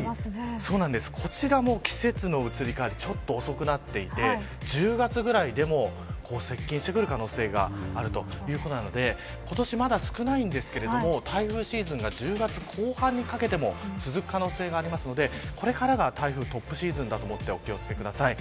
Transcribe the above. こちらも季節の移り変わりちょっと遅くなっていて１０月ぐらいでも接近してくる可能性があるということなので今年、まだ少ないんですけど台風シーズンが１０月後半にかけても続く可能性がありますのでこれからが台風トップシーズンだと思うのでお気を付けください。